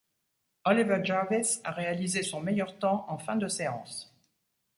Oliver Jarvis a réalisé son meilleur temps en fin de séance.